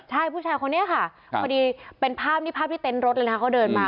ใช่ผู้ชายคนนี้ค่ะพอดีเป็นภาพนี่ภาพที่เต็นต์รถเลยนะเขาเดินมา